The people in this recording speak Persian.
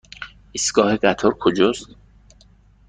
ایستگاه قطار کجاست؟